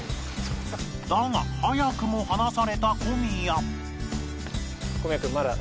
だが早くも離された小宮